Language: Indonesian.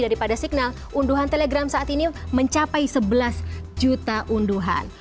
daripada signal unduhan telegram saat ini mencapai sebelas juta unduhan